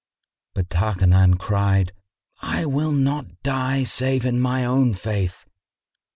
But Tarkanan cried, "I will not die save in my own faith."